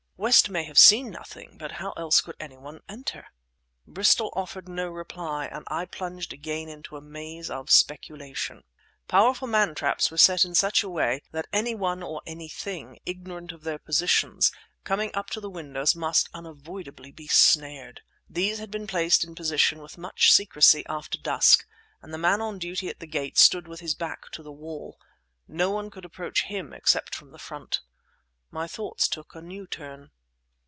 "West may have seen nothing; but how else could any one enter?" Bristol offered no reply; and I plunged again into a maze of speculation. Powerful mantraps were set in such a way that any one or anything, ignorant of their positions, coming up to the windows must unavoidably be snared. These had been placed in position with much secrecy after dusk, and the man on duty at the gate stood with his back to the wall. No one could approach him except from the front. My thoughts took a new turn.